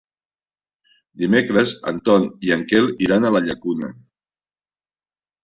Dimecres en Ton i en Quel iran a la Llacuna.